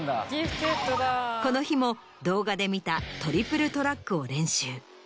この日も動画で見たトリプルトラックを練習。